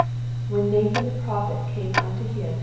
" When Nathan the prophet came unto him.